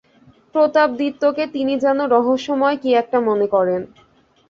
প্রতাপাদিত্যকে তিনি যেন রহস্যময় কী একটা মনে করেন।